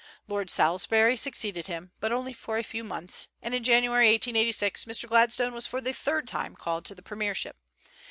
Lord Salisbury succeeded him; but only for a few months, and in January, 1886, Mr. Gladstone was for the third time called to the premiership.